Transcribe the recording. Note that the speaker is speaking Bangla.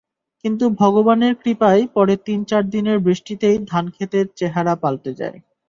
কিন্তু ভগবানের কৃপায় পরে তিন-চার দিনের বৃষ্টিতেই ধানখেতের চেহারা পাল্টে যায়।